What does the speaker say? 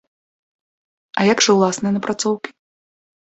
А як жа ўласныя напрацоўкі?